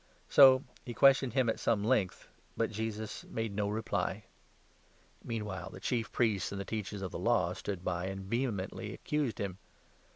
So he questioned 9 him at some length,'but Jesus made no reply. Meanwhile the 10 Chief Priests and the Teachers of the Law stood by and vehemently accused him.